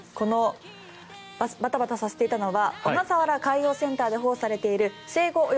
バタバタさせていたのは小笠原海洋センターで保護されている生後